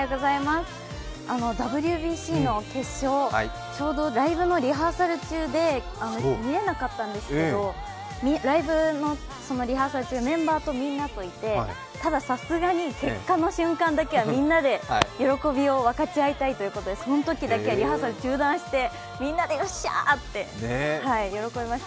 ＷＢＣの決勝、ちょうどライブのリハーサル中で見れなかったんですけどライブのリハーサル中、メンバーみんなといて、ただ、さすがに結果の瞬間だけはみんなで喜びを分かち合いたいということでそのときだけはリハーサル中断して、みんなでよっしゃーって喜びました。